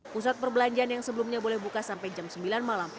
pusat perbelanjaan yang sebelumnya boleh buka sampai jam sembilan malam